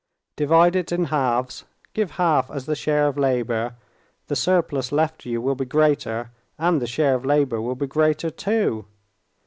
Divide it in halves, give half as the share of labor, the surplus left you will be greater, and the share of labor will be greater too.